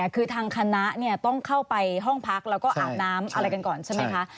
คือทางคณะต้องเข้าไปห้องพักแล้วก็อาบน้ำอะไรกันก่อนใช่ไหมคะ